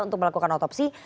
untuk melakukan otopsi